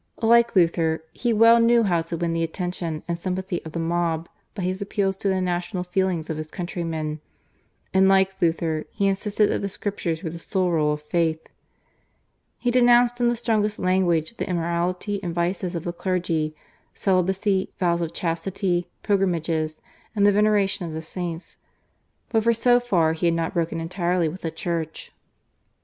Like Luther, he well knew how to win the attention and sympathy of the mob by his appeals to the national feelings of his countrymen, and like Luther he insisted that the Scriptures were the sole rule of faith. He denounced in the strongest language the immorality and vices of the clergy, celibacy, vows of chastity, pilgrimages and the veneration of the saints, but for so far he had not broken entirely with the Church.